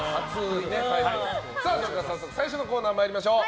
それでは早速最初のコーナー参りましょう。